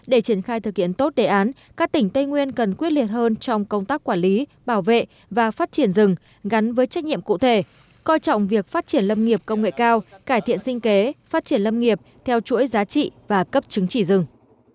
để triển khai thực hiện tốt đề án các tỉnh tây nguyên cần quyết liệt hơn trong công tác quản lý bảo vệ và phát triển rừng gắn với trách nhiệm cụ thể coi trọng việc phát triển lâm nghiệp công nghệ cao cải thiện sinh kế phát triển lâm nghiệp theo chuỗi giá trị và cấp chứng chỉ rừng